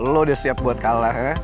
lo udah siap buat kalah ya